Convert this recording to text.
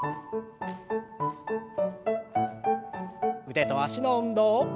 腕と脚の運動。